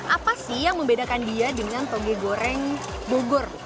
apa sih yang membedakan dia dengan toge goreng bogor